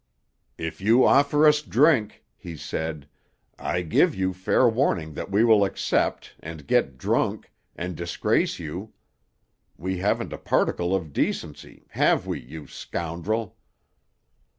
"If you offer us drink," he said, "I give you fair warning that we will accept, and get drunk, and disgrace you. We haven't a particle of decency, have we, you scoundrel?"